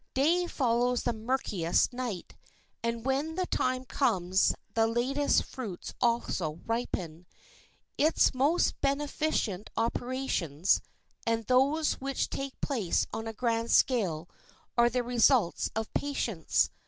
Day follows the murkiest night, and when the time comes the latest fruits also ripen. Its most beneficent operations, and those which take place on a grand scale, are the results of patience.